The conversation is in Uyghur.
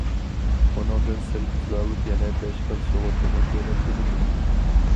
ئۇنىڭدىن سىرت زاۋۇت يەنە بەش خىل سۇغۇرتىنى تۆلەپ بېرىدۇ.